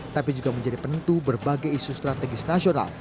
tapi juga menjadi penentu berbagai isu strategis nasional